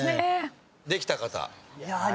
できた方？